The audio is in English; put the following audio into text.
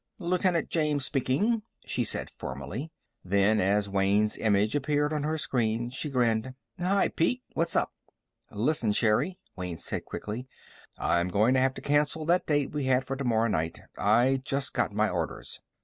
"Lieutenant James speaking," she said formally. Then, as Wayne's image appeared on her screen, she grinned. "Hi, Pete. What's up?" "Listen, Sherri," Wayne said quickly. "I'm going to have to cancel that date we had for tomorrow night. I just got my orders."